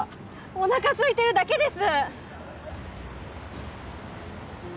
おなかすいてるだけです！